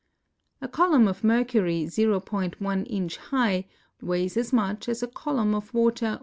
A column of mercury 0.1 inch high weighs as much as a column of water 1.